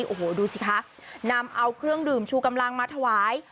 โอ้โหดูสิคะนำเอาเครื่องดื่มชูกำลังมาถวาย